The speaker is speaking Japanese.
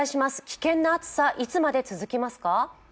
危険な暑さ、いつまで続きますか？